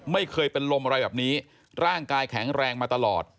ไม่เคยเป็นลมอะไรแบบนี้ร่างกายแข็งแรงมาตลอด